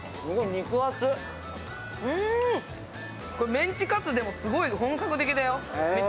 メンチカツでもすごい本格的だよ。